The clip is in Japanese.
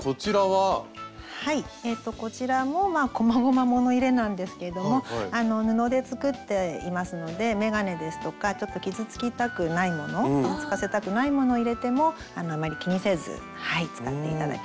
はいこちらもこまごま物入れなんですけども布で作っていますので眼鏡ですとかちょっと傷つきたくないもの傷つかせたくないものを入れてもあんまり気にせず使って頂けます。